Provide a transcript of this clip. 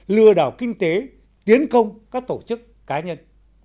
lừa đảo kinh tế tiến công các tổ chức cá nhân